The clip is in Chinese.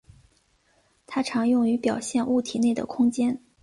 它常用于表现物体内的空间。